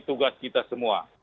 ini tugas kita semua